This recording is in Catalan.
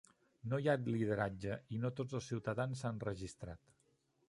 No hi ha lideratge i no tots els ciutadans s'han registrat.